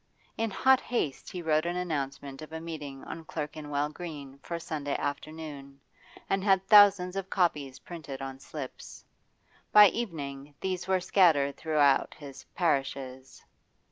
In hot haste he wrote an announcement of a meeting on Clerkenwell Green for Sunday afternoon, and had thousands of copies printed on slips; by evening these were scattered throughout his 'parishes.